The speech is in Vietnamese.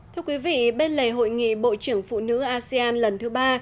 thưa quý vị bên lề hội nghị bộ trưởng phụ nữ asean lần thứ ba